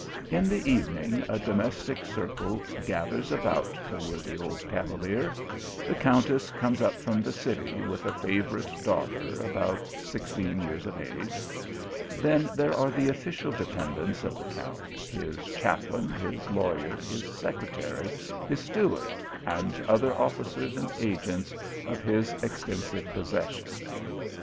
i In the evening, a domestic circle gathers about the worthy old cavalier. The countess comes up from the city, with a favourite daughter about sixteen years of age. Then there are the official de pendents of the Count, his chaplain, his lawyer, his secretary, his steward, and other officers and agents of his extensive possessions.